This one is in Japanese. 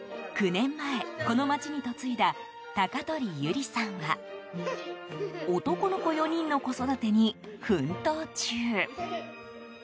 ９年前、この町に嫁いだ鷹取有里さんは男の子４人の子育てに奮闘中。